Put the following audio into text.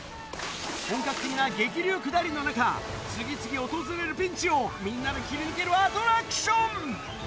本格的な激流下りの中、次々訪れるピンチを、みんなで切り抜けるアトラクション。